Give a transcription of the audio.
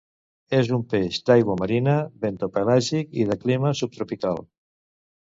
És un peix d'aigua marina, bentopelàgic i de clima subtropical.